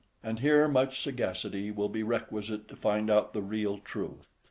And here much sagacity will be requisite to find out the real truth.